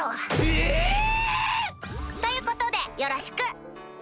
えぇ⁉ということでよろしく！